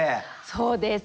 そうです。